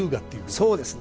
そうですね。